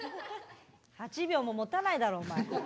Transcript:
８秒ももたないだろお前。